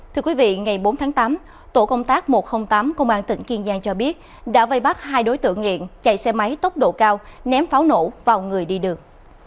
thưa quý vị ngày bốn tháng tám tổ công tác một trăm linh tám công an tỉnh kiên giang cho biết đã vây bắt hai đối tượng nghiện chạy xe máy tốc độ cao ném pháo nổ vào người đi đường